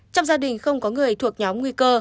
trong gia đình không có người thuộc nhóm nguy cơ